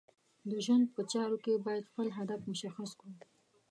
د ژوند په چارو کې باید خپل هدف مشخص کړو.